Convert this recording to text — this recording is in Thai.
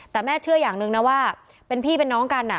แต่แม่เชื่ออย่างหนึ่งนะว่าเป็นพี่เป็นน้องกัน